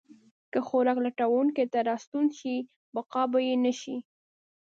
که خوراک لټونکي ته راستون شي، بقا به یې نه شي.